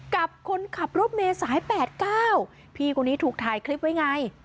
กับคนขับรถเมย์สาย๘๙พี่คนนี้ถูกถ่ายคลิปไว้ไง